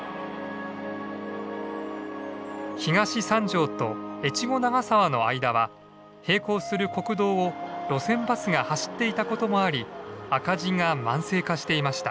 東三条と越後長沢の間は並行する国道を路線バスが走っていたこともあり赤字が慢性化していました。